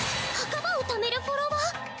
墓場をためるフォロワー！？